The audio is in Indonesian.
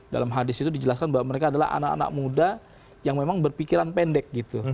dalam hadis itu dijelaskan bahwa mereka adalah anak anak muda yang memang berpikiran pendek gitu